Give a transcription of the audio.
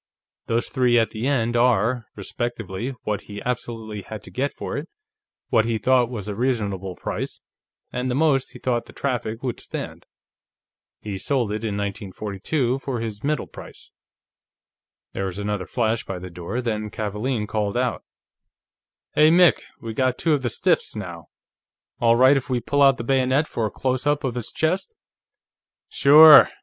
Those three at the end are, respectively, what he absolutely had to get for it, what he thought was a reasonable price, and the most he thought the traffic would stand. He sold it in 1942 for his middle price." There was another flash by the door, then Kavaalen called out: "Hey, Mick; we got two of the stiffs, now. All right if we pull out the bayonet for a close up of his chest?" "Sure.